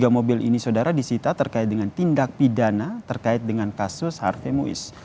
tiga mobil ini saudara disita terkait dengan tindak pidana terkait dengan kasus harve muis